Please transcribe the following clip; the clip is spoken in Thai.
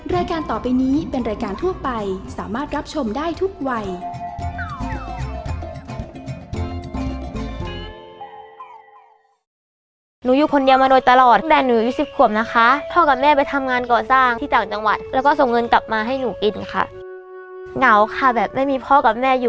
รายการต่อไปนี้เป็นรายการทั่วไปสามารถรับชมได้ทุกวัย